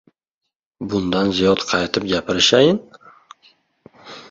— Bundan ziyod qaytib gapirishayin?